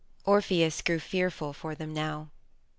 Orpheus grew fearful for them now.